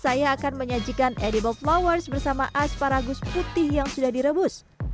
saya akan menyajikan edible flowers bersama asparagus putih yang sudah direbus